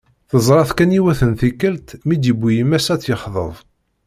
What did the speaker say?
Teẓra-t kan yiwet n tikelt mi d-yiwi yemma-s ad tt-yexḍeb.